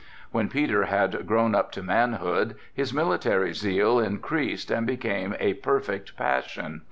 When Peter had grown up to manhood his military zeal increased and became a perfect passion.